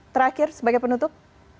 terakhir sebagai penutup